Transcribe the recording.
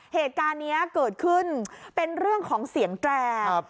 เหตุการณ์นี้เกิดขึ้นเป็นเรื่องของเสียงแตร